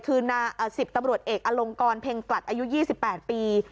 คือ๑๐ตำรวจเอกอลงกรเพ็งกลัดอายุ๒๘ปี